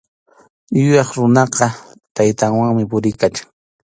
Yuyaq runaqa tawnawanmi puriykachan.